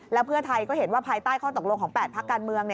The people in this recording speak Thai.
แล้วเพื่อไทยก็เห็นว่าภายใต้ข้อตกลงของ๘พักการเมือง